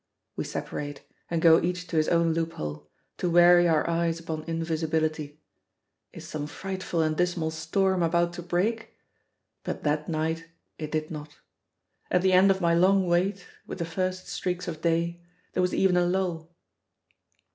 We separate, and go each to his own loophole, to weary our eyes upon invisibility. Is some frightful and dismal storm about to break? But that night it did not. At the end of my long wait, with the first streaks of day, there was even a lull.